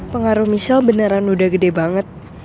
pengaruh michelle beneran udah gede banget